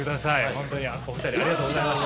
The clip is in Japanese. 本当にお二人ありがとうございました。